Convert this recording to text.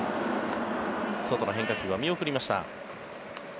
外の変化球は見送りました。